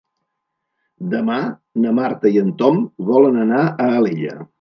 Demà na Marta i en Tom volen anar a Alella.